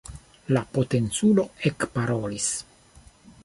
La potenculo ekparolis.